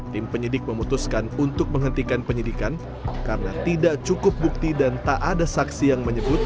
tim penyidik memutuskan untuk menghentikan penyidikan karena tidak cukup bukti dan tak ada saksi yang menyebut